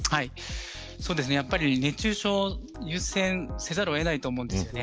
やっぱり熱中症を優先せざるを得ないと思うんですよね。